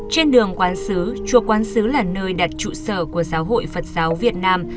trên đường quán xứ chùa quán sứ là nơi đặt trụ sở của giáo hội phật giáo việt nam